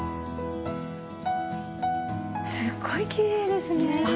すっごいきれいですね。